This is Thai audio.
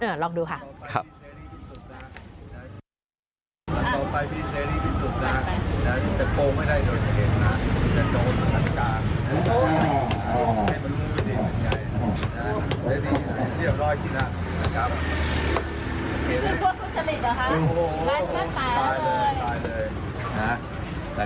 เออลองดูค่ะ